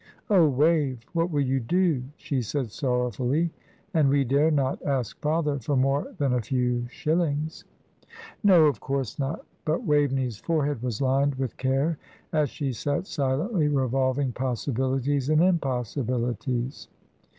"Oh, Wave, what will you do?" she said, sorrowfully. "And we dare not ask father for more than a few shillings!" "No, of course not;" but Waveney's forehead was lined with care as she sat silently revolving possibilities and impossibilities.